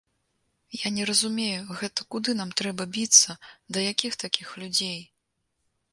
Я не разумею, гэта куды нам трэба біцца, да якіх такіх людзей?